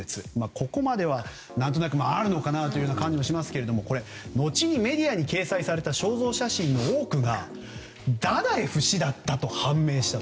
ここまでは何となくあるのかなという感じもしますが後にメディアに掲載された肖像写真の多くがダダエフ氏だったと判明したと。